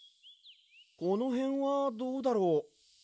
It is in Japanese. このへんはどうだろう。